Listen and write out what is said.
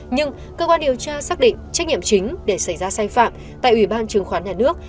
nhưng cơ quan điều tra xác định trách nhiệm chính để xảy ra sai phạm tại ủy ban chứng khoán nhà nước